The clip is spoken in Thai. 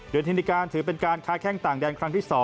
เทนิการถือเป็นการค้าแข้งต่างแดนครั้งที่๒